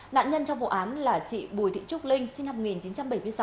nạn nhân trong vụ án là chị bùi thị trúc linh sinh năm một nghìn chín trăm bảy mươi sáu